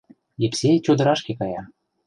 Епсей чодырашке кая.